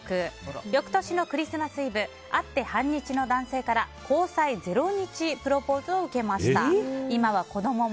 翌年のクリスマスイブ会って半日の男性から交際０日プロポーズを受けました。